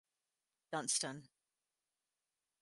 Dunstan.